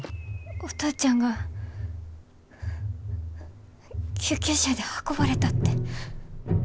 お父ちゃんが救急車で運ばれたって。